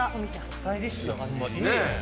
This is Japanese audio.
スタイリッシュな感じ。